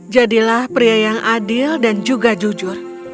jadilah pria yang adil dan juga jujur